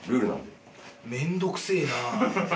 めんどくせえな。